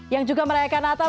yang juga merayakan natal